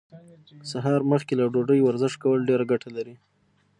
سهار مخکې له ډوډۍ ورزش کول ډيره ګټه لري.